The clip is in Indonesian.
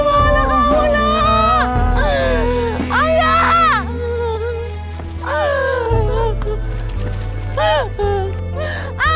emangnya kau udah